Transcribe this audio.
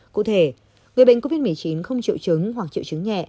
cụ thể người bệnh covid một mươi chín không chịu chứng hoặc chịu chứng nhẹ